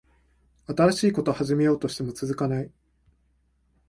新しいこと始めようとしても続かない